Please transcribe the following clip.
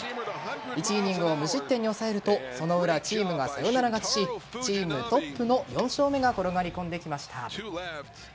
１イニングを無失点に抑えるとその裏、チームがサヨナラ勝ちしチームトップの４勝目が転がり込んできました。